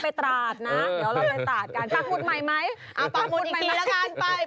เดี๋ยวเราไปตราดกันปลักหมุนใหม่ไหมเอาปลักหมุนอีกทีแล้วกัน